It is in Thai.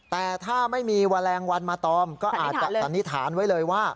แต่ถ้าไม่มีแมลงวันมาตอมก็อาจจะสันนิษฐานไว้เลยว่า